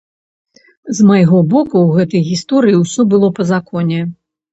З майго боку ў гэтай гісторыі ўсё было па законе.